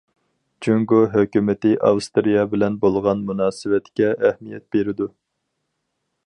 جۇڭگو ھۆكۈمىتى ئاۋسترىيە بىلەن بولغان مۇناسىۋەتكە ئەھمىيەت بېرىدۇ.